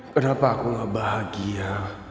kenapa aku gak bahagia